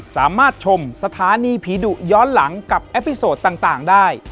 สามารถชมสถานีผีดุย้อนหลังกับแอปพลิโซดต่างได้